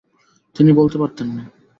তিনি বলতে পারতেন না।